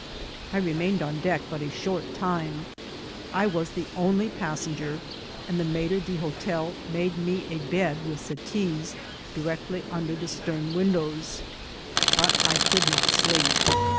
I remained on deck but a short time. I was the only passenger, and the mahre d'hotel made me a bed with settees directly under the stem windows, but I could not sleep.